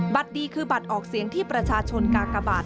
ดีคือบัตรออกเสียงที่ประชาชนกากบาท